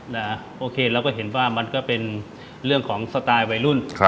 โอเคเราก็เห็นว่ามันก็เป็นเรื่องของสไตล์วัยรุ่น